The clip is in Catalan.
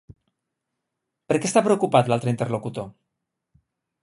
Per què està preocupat, l'altre interlocutor?